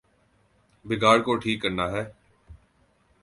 بگاڑ کو ٹھیک کرنا ہے۔